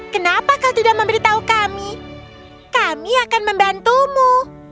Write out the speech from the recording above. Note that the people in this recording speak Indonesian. kenapa kau tidak memberitahu kami kami akan membantumu